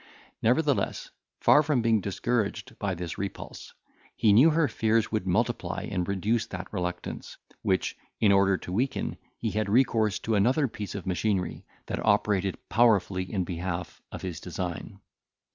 Nevertheless, far from being discouraged by this repulse, he knew her fears would multiply and reduce that reluctance, which, in order to weaken, he had recourse to another piece of machinery, that operated powerfully in behalf of his design.